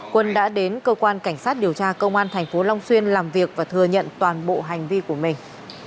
quân đã đến cơ quan cảnh sát điều tra công an tp long xuyên làm việc và thừa nhận toàn bộ hành vi của mình